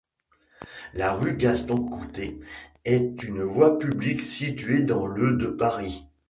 La rue Gaston-Couté est une voie publique située dans le de Paris.